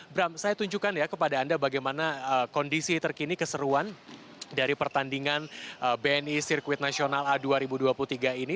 bram saya tunjukkan ya kepada anda bagaimana kondisi terkini keseruan dari pertandingan bni sirkuit nasional a dua ribu dua puluh tiga ini